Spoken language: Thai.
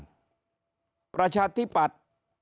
พลังประชาธิบัติ